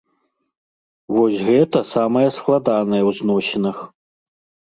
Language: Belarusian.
Вось гэта самае складанае ў зносінах.